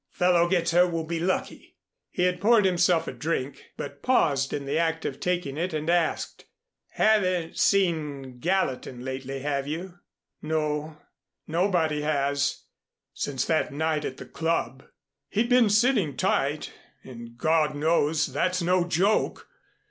Fellow gets her will be lucky." He had poured himself a drink, but paused in the act of taking it, and asked, "Haven't seen Gallatin lately, have you?" "No nobody has since that night at the Club. He'd been sitting tight and God knows that's no joke!